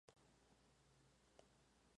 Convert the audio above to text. Hay que ponerlas en el remojo.